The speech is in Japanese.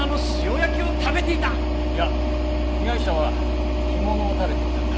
いや被害者は干物を食べていたんだ。